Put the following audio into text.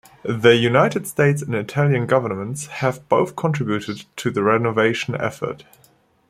The United States and Italian governments have both contributed to the renovation effort.